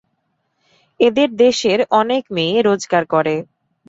এদের দেশের অনেক মেয়ে রোজগার করে।